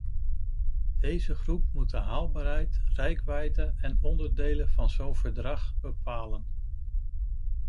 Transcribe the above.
Deze groep moet de haalbaarheid, reikwijdte en onderdelen van zo'n verdrag bepalen.